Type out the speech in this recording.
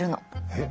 えっ？